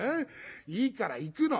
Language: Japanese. いいから行くの。